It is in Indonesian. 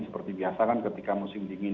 seperti biasa kan ketika musim dingin